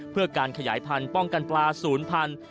เพื่อการขยายพันธุ์ป้องกันปลาศูนย์พันธุ